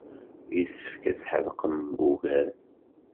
Yessefk ad tḥedqem ugar.